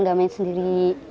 nggak main sendiri